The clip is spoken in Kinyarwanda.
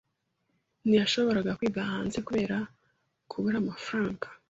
Ntiyashoboraga kwiga hanze kubera kubura amafaranga.